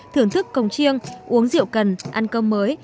thưởng thức cồng chiêng uống rượu cần ăn cơm mới